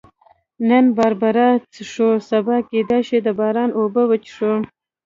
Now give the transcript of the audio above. نن باربرا څښو، سبا کېدای شي د باران اوبه وڅښو.